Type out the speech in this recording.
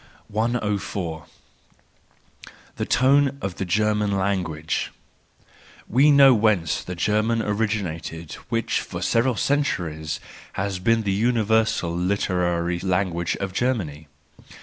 104. The Tone of the German Language .—We know whence the German originated which for several centuries has been the universal, literary language of Germany.